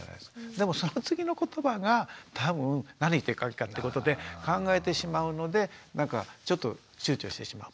でもその次の言葉が多分何言っていいかってことで考えてしまうのでなんかちょっとちゅうちょしてしまう。